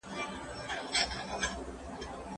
که يو بل ته کتاب ورکړو نو پوهه شريکېږي.